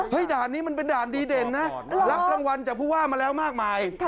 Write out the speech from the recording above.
ด่านนี้มันเป็นด่านดีเด่นนะรับรางวัลจากผู้ว่ามาแล้วมากมาย